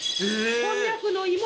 こんにゃくの芋